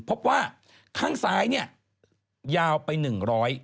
บอกว่าข้างซ้ายนี่ยาวไปหนึ่งร้อย